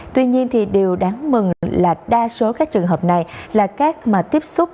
tuy nhiên thì điều đáng mừng là đa số các trường hợp này là các mà tiếp xúc